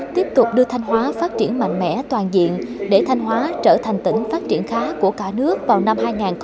tiếp tục đưa thanh hóa phát triển mạnh mẽ toàn diện để thanh hóa trở thành tỉnh phát triển khá của cả nước vào năm hai nghìn ba mươi